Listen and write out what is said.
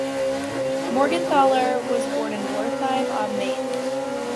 Morgenthaler was born in Wertheim am Main.